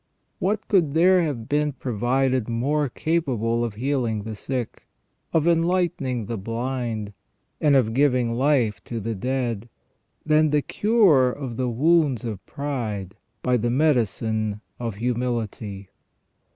What could there have been provided more capable of healing the sick, of enlightening the blind, and of giving life to the dead, than the cure of the wounds of pride by the medicine of humility